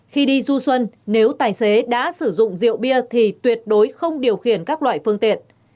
khi đi du xuân nếu tài xế đã sử dụng rượu bia thì tuyệt đối không điều khiển các loại phương tiện